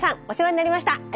お世話になりました。